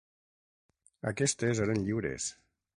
Aquests eren lliures.